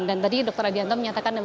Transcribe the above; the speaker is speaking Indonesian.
dan tadi dokter adianto menyatakan